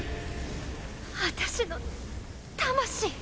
私の魂？